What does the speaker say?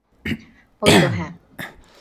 ওইতো, হ্যা।